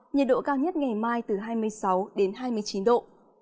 nhiệt độ cao nhất ngày mai từ hai mươi sáu đến hai mươi chín độ